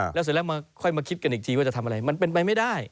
แล้วเสร็จแล้วมาค่อยมาคิดกันอีกทีว่าจะทำอะไรมันเป็นไปไม่ได้